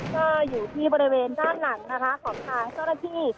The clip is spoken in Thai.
ก็อยู่ที่บริเวณด้านหลังนะคะของทางเจ้าหน้าที่